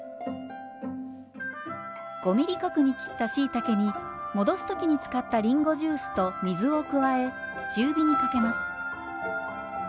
５ｍｍ角に切ったしいたけに戻す時に使ったりんごジュースと水を加え中火にかけます。